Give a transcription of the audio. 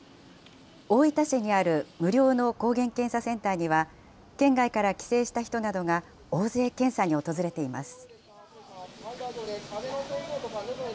大分市にある無料の抗原検査センターには、県外から帰省した人などが大勢検査に訪れています。